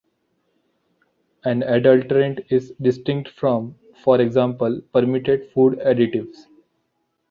An adulterant is distinct from, for example, permitted food additives.